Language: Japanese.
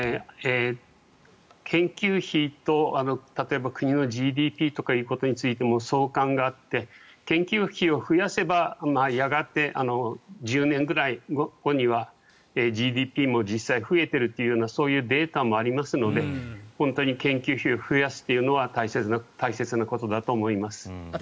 研究費と例えば国のＧＤＰとかいうことについても相関があって研究費を増やせばやがて１０年ぐらい後にはＧＤＰも実際に増えているというそういうデータもありますので本当に研究費を増やすのは大切なことだと思います。